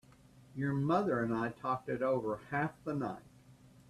Your mother and I talked it over half the night.